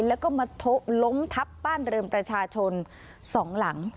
แล้วก็มาทะล้มทับบ้านเริมประชาชน๒หลัง